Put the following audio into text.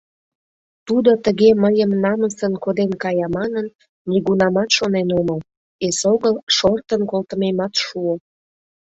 Тудо тыге мыйым намысын коден кая манын, нигунамат шонен омыл, эсогыл шортын колтымемат шуо.